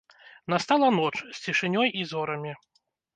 Настала ноч, з цішынёй і зорамі.